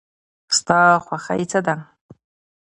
ستا خوښی څه ده؟